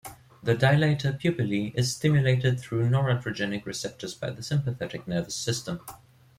The dilator pupillae is stimulated through noradrenergic receptors by the sympathetic nervous system.